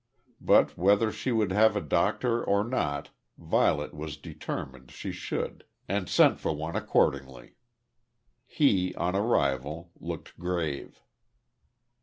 But whether she would have a doctor or not, Violet was determined she should, and sent for one accordingly. He, on arrival, looked grave.